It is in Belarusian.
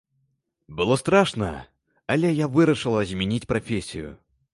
Было страшна, але я вырашыла змяніць прафесію.